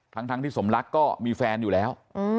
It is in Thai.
ทั้งที่สมรักก็มีแฟนอยู่แล้ว